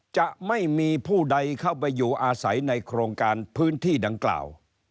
จะไม่มีผู้ใดเข้าไปอยู่อาศัยในโครงการพื้นที่ดังกล่าว